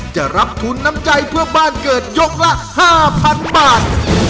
จะรับทุนน้ำใจเพื่อบ้านเกิดยกละ๕๐๐๐บาท